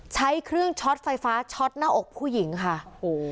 ใช้เครื่องช็อตไฟฟ้าช็อตหน้าอกผู้หญิงค่ะโอ้โห